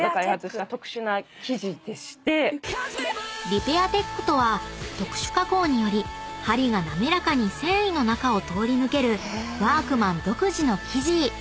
［リペアテックとは特殊加工により針が滑らかに繊維の中を通り抜けるワークマン独自の生地］